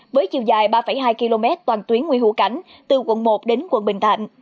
với chiều dài ba hai km toàn tuyến nguyễn hữu cảnh từ quận một đến quận bình thạnh